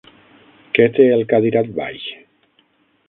Què té el cadirat baix?